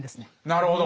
なるほど。